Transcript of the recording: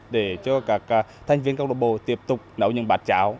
để cho các thành viên câu lạc bộ tiếp tục nấu những bát cháo